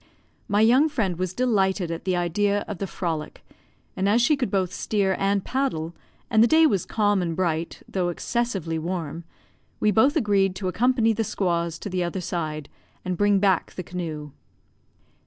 My young friend was delighted at the idea of the frolic, and as she could both steer and paddle, and the day was calm and bright, though excessively warm, we both agreed to accompany the squaws to the other side, and bring back the canoe.